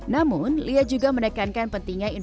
namun lia juga menekankan pentingnya investasi